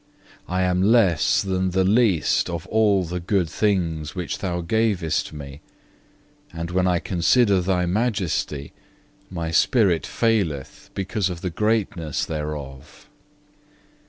I am less than the least of all the good things which Thou gavest me; and when I consider Thy majesty, my spirit faileth because of the greatness thereof.